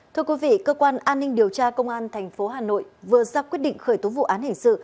thưa quý vị cơ quan an ninh điều tra công an tp hà nội vừa ra quyết định khởi tố vụ án hình sự